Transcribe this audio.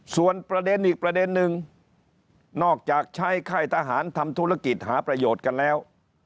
ส่วนประเด็นอีกประเด็นนึงนอกจากใช้ค่ายทหารทำธุรกิจหาประโยชน์กันแล้ว